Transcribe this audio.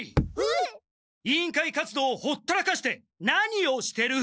委員会活動をほったらかして何をしてる！？